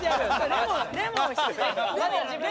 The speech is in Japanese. レモン！